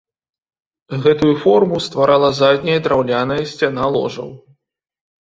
Гэтую форму стварала задняя драўляная сцяна ложаў.